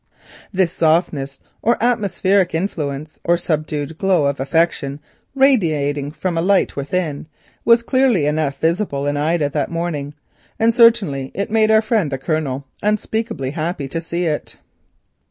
This softness, or atmospheric influence, or subdued glow of affection radiating from a light within, was clearly enough visible in Ida that morning, and certainly it made our friend the Colonel unspeakably happy to see it.